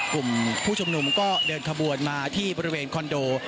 กลุ่มผู้ชุมนุมก็เดินขบวนมาที่บริเวณคอนโด